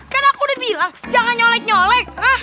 kan aku udah bilang jangan nyelek nyelek